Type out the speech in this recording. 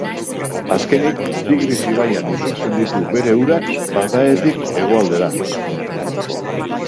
Azkenik, Tigris ibaian isurtzen ditu bere urak, Bagdadetik hegoaldera.